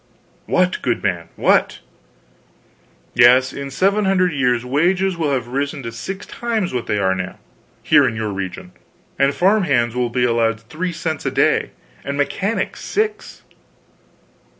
"What, goodman, what!" "Yes. In seven hundred years wages will have risen to six times what they are now, here in your region, and farm hands will be allowed 3 cents a day, and mechanics 6."